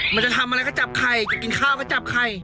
มันจะทำอะไรก็จับไข่จะกินข้าวก็จับไข่